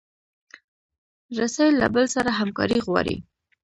رسۍ له بل سره همکاري غواړي.